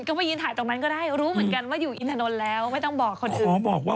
ก็ไปยืนถ่ายตรงนั้นก็ได้รู้เหมือนกันว่าอยู่อินถนนแล้วไม่ต้องบอกคนอื่น